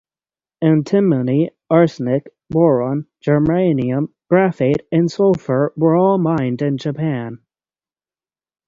Antimony, Arsenic, Boron, Germanium, Graphite and Sulphur were all mined in Japan.